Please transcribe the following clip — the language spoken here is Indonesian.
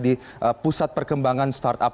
di pusat perkembangan startup